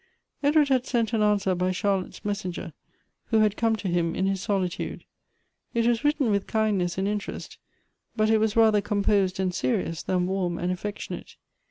Edward had sent an answer by Chorlotte's messenger, v> '.io had come to him in his solitude. It was written v.ith kindness and interest, but it was rather composed r.;i;l serious than warm and affection.ate.